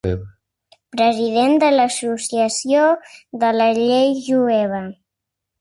President de la Associació de la Llei Jueva.